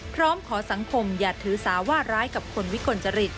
พร้อมขอสังคมอย่าถือสาว่าร้ายกับคนวิกลจริต